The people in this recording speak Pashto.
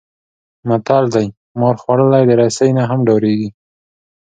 متل دی: مار خوړلی د رسۍ نه هم ډارېږي.